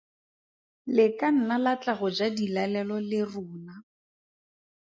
Le ka nna la tla go ja dilalelo le rona.